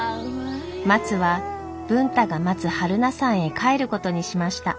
まつは文太が待つ榛名山へ帰ることにしました。